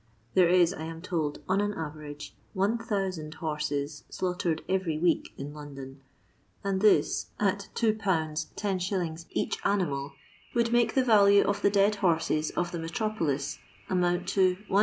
There is, I am told, on an average, 1000 horses slaughtered every week in London, and this, at 21. lOi. each animal, would make the value of the dead horses of the metropolis amount to 180,000